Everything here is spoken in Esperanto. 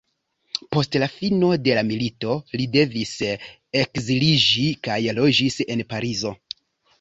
Post la fino de la milito li devis ekziliĝi kaj loĝis en Parizo.